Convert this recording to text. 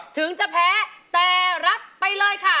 ถึงจะแพ้แต่รับไปเลยค่ะ